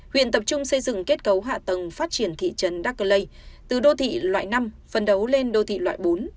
huyện tập trung xây dựng kết cấu hạ tầng phát triển thị trấn đắc lê từ đô thị loại năm phần đấu lên đô thị loại bốn